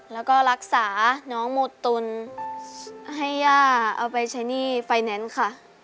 แล้วก็รักษาน้องหมดตุนให้ย่าเอาไปใช้หนี้ไฟแนนซ์ค่ะ